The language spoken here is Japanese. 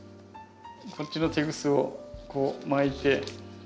こっちのテグスをこう巻いて。